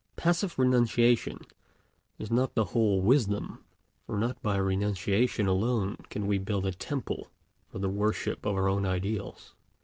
But passive renunciation is not the whole wisdom; for not by renunciation alone can we build a temple for the worship of our own ideals.